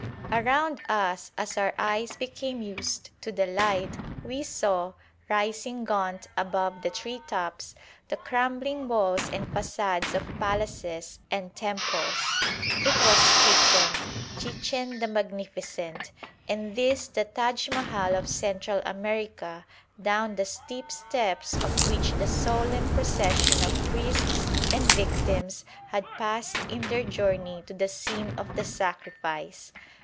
Around us, as our eyes became used to the light, we saw, rising gaunt above the tree tops, the crumbling walls and façades of palaces and temples. It was Chichen! Chichen the magnificent! and this the "Taj Mahal" of Central America, down the steep steps of which the solemn procession of priests and victims had passed in their journey to the scene of the sacrifice!